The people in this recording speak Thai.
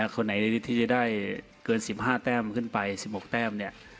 คนไหนที่จะได้เกิน๑๕แต้มขึ้นไป๑๖แต้มเนี่ย